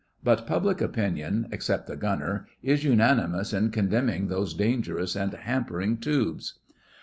But public opinion (except the Gunner) is unanimous in condemning those dangerous and hampering tubes.